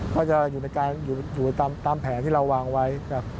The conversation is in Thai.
ก็จะอยู่ตามแผนที่เราวางไว้